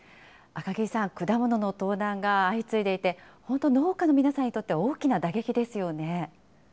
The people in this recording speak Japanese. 赤木さん、果物の盗難が相次いでいて、本当、農家の皆さんにとっては大きな打撃ですよね。